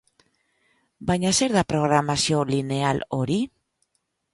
Baina zer da programazio lineal hori?